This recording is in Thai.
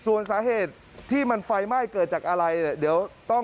ส่วนสาเหตุที่มันไฟไหม้เกิดจากอะไร